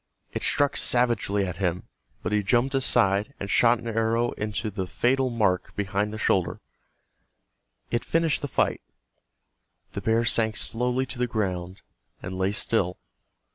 It struck savagely at him, but he jumped aside, and shot an arrow into the fatal mark behind the shoulder. It finished the fight. The bear sank slowly to the ground, and lay still.